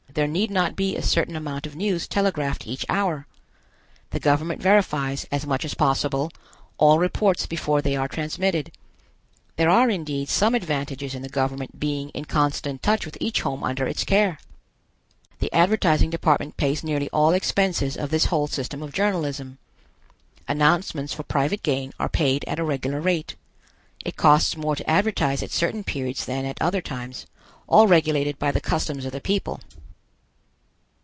There need not be a certain amount of news telegraphed each hour. The government verifies, as much as possible, all reports before they are transmitted. There are indeed some advantages in the government being in constant touch with each home under its care. The advertising department pays nearly all expenses of this whole system of journalism. Announcements for private gain are paid at a regular rate. It costs more to advertise at certain periods than at other times, all regulated by the customs of the people.